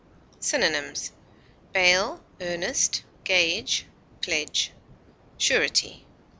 Synonyms: bail, earnest, gage, pledge, surety.